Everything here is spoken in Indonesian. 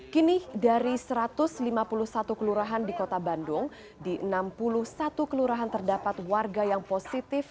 kini dari satu ratus lima puluh satu kelurahan di kota bandung di enam puluh satu kelurahan terdapat warga yang positif